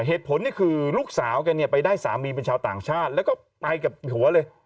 เหตุผลนี่คือลูกสาวแกเนี่ยไปได้สามีเป็นชาวต่างชาติแล้วก็ไปกับหัวเลย